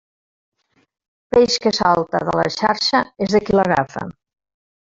Peix que salta de la xarxa és de qui l'agafa.